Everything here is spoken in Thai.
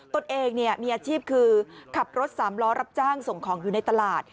ตัวเองมีอาชีพคือขับรถสามล้อรับจ้างส่งของอยู่ในตลาด